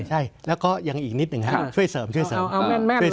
ใช่แล้วก็ยังอีกนิดหนึ่งฮะช่วยเสริมช่วยเสริมเอาเอาแม่นแม่นเลย